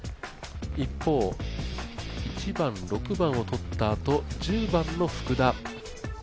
一方、１番、６番をとったあと１０番の福田。